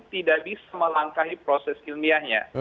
tidak bisa melangkahi proses ilmiahnya